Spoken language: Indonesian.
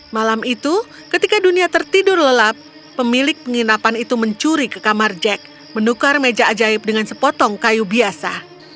malam itu ketika dunia tertidur lelap pemilik penginapan itu mencuri ke kamar jack menukar meja ajaib dengan sepotong kayu biasa